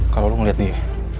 kalau lu ngeliat dia